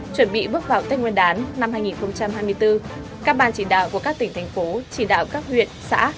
chuẩn bị bước vào tết nguyên đán năm hai nghìn hai mươi bốn các ban chỉ đạo của các tỉnh thành phố chỉ đạo các huyện xã